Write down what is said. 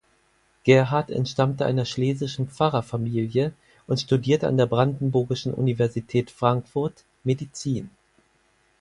Gerhard entstammte einer schlesischen Pfarrerfamilie und studierte an der Brandenburgischen Universität Frankfurt Medizin.